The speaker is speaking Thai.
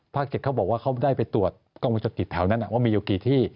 ๗เขาบอกว่าเขาได้ไปตรวจกล้องวงจรปิดแถวนั้นว่ามีอยู่กี่ที่